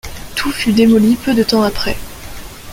Tout fut démoli peu de temps après.